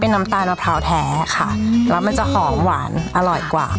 น้ำตาลมะพร้าวแท้ค่ะแล้วมันจะหอมหวานอร่อยกว่า